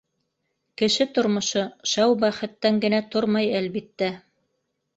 Кеше тормошо шау бәхеттән генә тормай, әлбиттә.